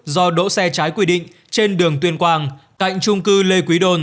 do đỗ xe trái quy định trên đường tuyên quang cạnh trung cư lê quý đôn